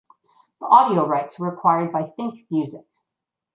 The audio rights were acquired by Think Music.